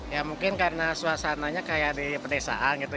ya mungkin karena suasananya kayak di pedesaan gitu